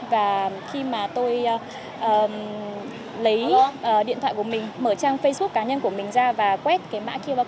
và khi mà tôi lấy điện thoại của mình mở trang facebook cá nhân của mình ra và quét cái mã qr code này